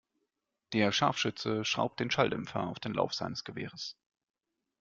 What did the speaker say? Der Scharfschütze schraubt den Schalldämpfer auf den Lauf seines Gewehres.